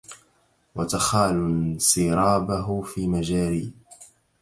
وتخالُ انْسرابهُ في مجاري